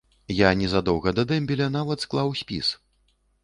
Я незадоўга да дэмбеля нават склаў спіс.